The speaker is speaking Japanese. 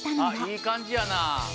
いい感じやな。